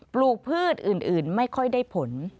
ปลูกพืชอื่นไม่ค่อยได้ผล